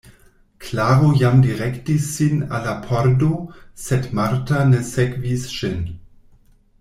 Klaro jam direktis sin al la pordo, sed Marta ne sekvis ŝin.